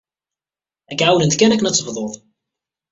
Ad k-ɛawnent kan akken ad tebdud.